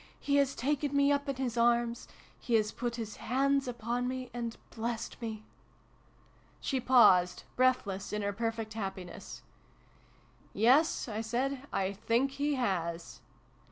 He has taken me up in His arms. He has put His hands upon me and blessed me!" She paused, breathless in her perfect happiness. " Yes," I said. " I think He has